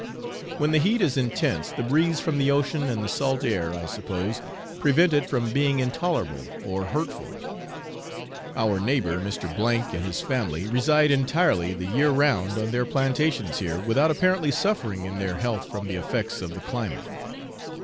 When the heat is intense, the breeze from the ocean and the salt air, I suppose, prevent it from being intolerable or hurtful. Our neighbour Mr. C and his family reside entirely, the year round, on their plantations here without apparently suffering in their health from the effects of the climate.